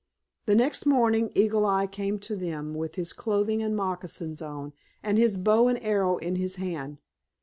The next morning Eagle Eye came to them with his clothing and moccasins on and his bow and arrow in his hand.